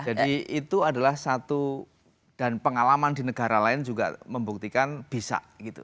jadi itu adalah satu dan pengalaman di negara lain juga membuktikan bisa